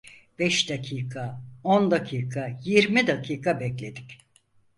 Beş dakika, on dakika, yirmi dakika bekledik.